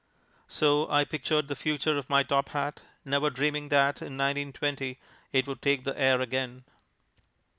So I pictured the future for my top hat, never dreaming that in 1920 it would take the air again.